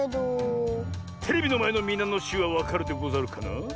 テレビのまえのみなのしゅうはわかるでござるかな？